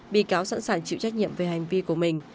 bị cáo sẵn sàng chịu trách nhiệm về hành vi của mình